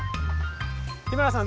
日村さん